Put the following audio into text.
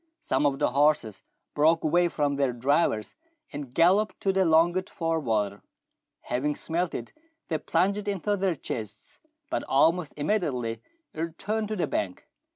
Some of the horses broke away from their drivers, and galloped to the longed for water. Having smelt it, they plunged in to their chests, but almost imme diately returned to the bank.